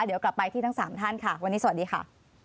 เดี๋ยวกลับไปที่ทั้ง๓ท่านค่ะวันนี้สวัสดีค่ะ